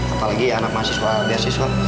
apalagi anak mahasiswa beasiswa